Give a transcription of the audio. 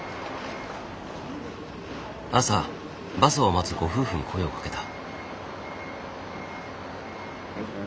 朝バスを待つご夫婦に声をかけた。